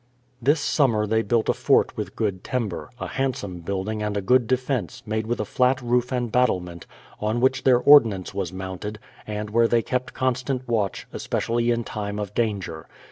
This summer they built a fort with good timber, — a handsome building and a good defence, made with a flat roof and battlement, on which their ordnance was mounted, and where they kept constant watch, especially in time of danger.